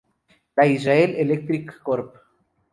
La Israel Electric Corp.